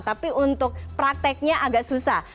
tapi untuk prakteknya agak susah